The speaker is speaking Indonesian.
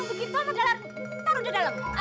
begitu taruh di dalam